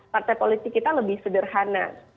partai politik kita lebih sederhana